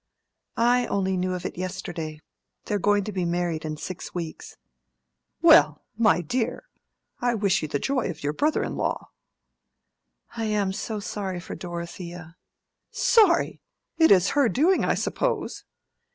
"I only knew of it yesterday. They are to be married in six weeks." "Well, my dear, I wish you joy of your brother in law." "I am so sorry for Dorothea." "Sorry! It is her doing, I suppose."